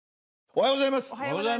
おはようございます。